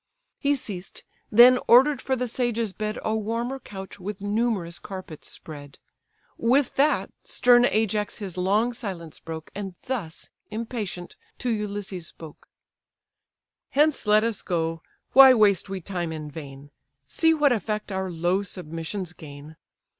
He ceased; then order'd for the sage's bed A warmer couch with numerous carpets spread. With that, stern Ajax his long silence broke, And thus, impatient, to Ulysses spoke: "Hence let us go—why waste we time in vain? See what effect our low submissions gain!